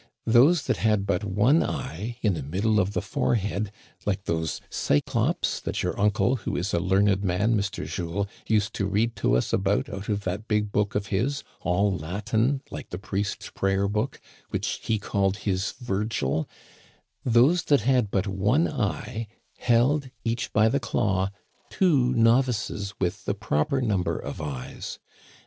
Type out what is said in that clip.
Those that had but one eye, in the middle of the forehead, like those Cy clopes that your uncle, who is a learned man, Mr. Jules, used to read to us about out of that big book of his, all Latin, like the priest's prayer book, which he called his Virgil — those that had but one eye held each by the claw two novices with the proper number of eyes.